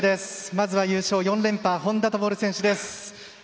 まずは優勝、４連覇本多灯選手です。